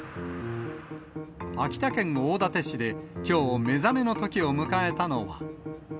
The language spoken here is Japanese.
秋田県大館市できょう、目覚めの時を迎えたのは。